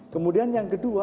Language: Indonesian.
kemudian yang kedua